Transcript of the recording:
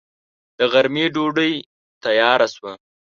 د غرمې ډوډۍ تياره شوه.